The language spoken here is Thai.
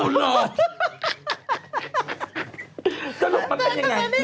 สรุปมันเป็นยังไง